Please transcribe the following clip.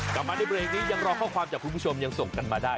กลับมาในเบรกนี้ยังรอข้อความจากคุณผู้ชมยังส่งกันมาได้